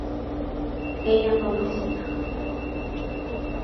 Ella no visita